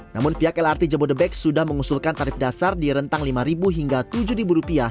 namun pihak lrt jabodebek sudah mengusulkan tarif dasar di rentang rp lima hingga rp tujuh